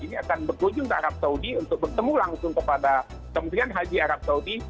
ini akan berkunjung ke arab saudi untuk bertemu langsung kepada kementerian haji arab saudi